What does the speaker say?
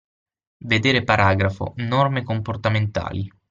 Vedere paragrafo: Norme comportamentali.